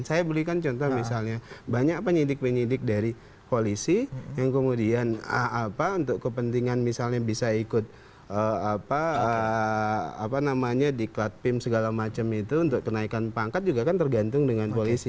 saya berikan contoh misalnya banyak penyidik penyidik dari polisi yang kemudian untuk kepentingan misalnya bisa ikut di klat pim segala macam itu untuk kenaikan pangkat juga kan tergantung dengan polisi